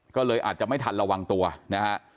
ก็เลยอาจจะไม่ทันระวังตัวนะฮะ